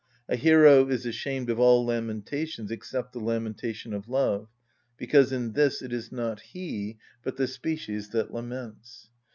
A hero is ashamed of all lamentations except the lamentation of love, because in this it is not he but the species that laments.